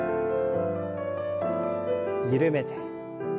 緩めて。